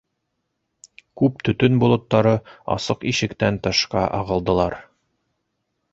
Күк төтөн болоттары асыҡ ишектән тышҡа ағылдылар.